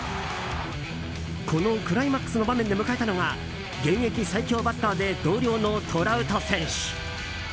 このクライマックスの場面で迎えたのが現役最強バッターで同僚のトラウト選手。